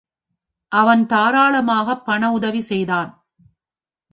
அவன் தாராளாமாகப் பண உதவி செய்தான்.